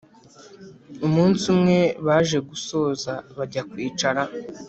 umunsi umwe baje gusoza bajya kwicara